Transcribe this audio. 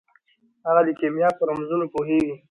هغه د کیمیا په رمزونو پوهیږي.